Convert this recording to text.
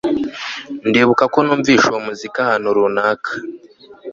Ndibuka ko numvise uwo muziki ahantu runaka